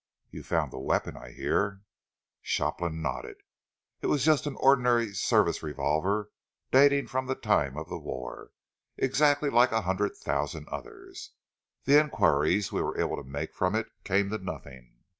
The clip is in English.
"You found the weapon, I hear?" Shopland nodded. "It was just an ordinary service revolver, dating from the time of the war, exactly like a hundred thousand others. The enquiries we were able to make from it came to nothing."